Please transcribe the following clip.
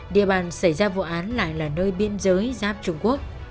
địa bàn xảy ra vụ án lại là nơi biên giới giáp trung quốc